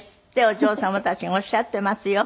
お嬢様たちがおっしゃっていますよ。